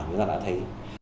như là đã thấy